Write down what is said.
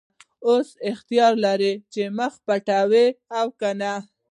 اوس اختیار لرې چې مخ پټوې او که نه.